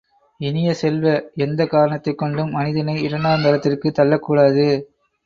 இனிய செல்வ, எந்தக் காரணத்தைக் கொண்டும் மனிதனை இரண்டாந்தரத்திற்குத் தள்ளக்கூடாது.